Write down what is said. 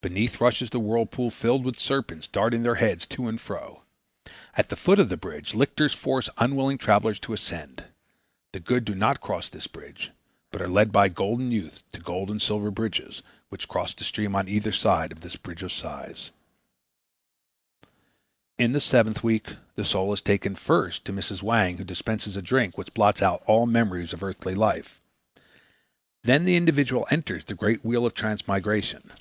Beneath rushes the whirl pool filled with serpents darting their heads to and fro. At the foot of the bridge lictors force unwilling travelers to ascend. The good do not cross this bridge, but are led by "golden youth" to gold and silver bridges which cross the stream on either side of this "Bridge of Sighs." In the seventh week the soul is taken first to Mrs. Wang who dispenses a drink which blots out all memories of the earthly life. Then the individual enters the great wheel of transmigration.